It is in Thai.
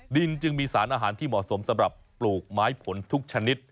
ดินจึงมีสารอาหารที่เหมาะสมสำหรับปลูกไม้ผลทุกชนิด